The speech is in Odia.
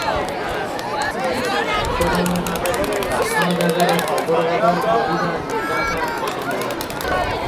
ସୁତରାଂ ତାସଣ ଜାଗାରେ ଗୋବରଗଦା ରହିବା ନିତାନ୍ତ ଅସମ୍ଭବ ।